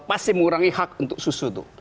pasti mengurangi hak untuk susu tuh